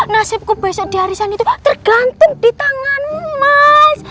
nasibku besok di hari sana itu tergantung di tanganmu mas